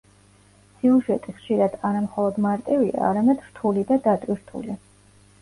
სიუჟეტი ხშირად არა მხოლოდ მარტივია, არამედ რთული და დატვირთული.